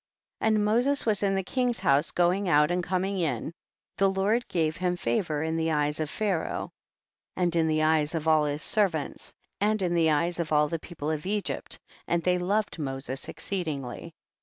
40. And Moses was in the king's house going out and coming in, the Lord gave him favor in the eyes of Pharaoh, and in the eyes of all his servants, and in the eyes of all the people of Egypt, and they loved Moses exceedingly.